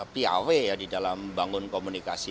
piawe ya di dalam bangun komunikasi